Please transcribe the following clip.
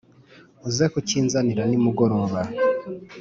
uze kukinzanira ni mugoroba.